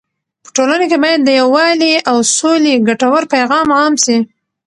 په ټولنه کې باید د یووالي او سولې ګټور پیغام عام سي.